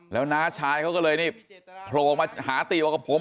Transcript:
แล้วหน้าชายเขาก็เลยโพลมาหาติว่ากับผม